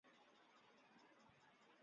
波莫纳加州州立理工大学位于本市。